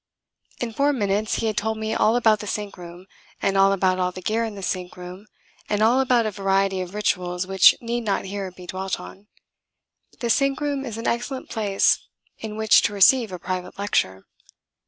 In four minutes he had told me all about the sink room, and all about all the gear in the sink room and all about a variety of rituals which need not here be dwelt on. (The sink room is an excellent place in which to receive a private lecture.)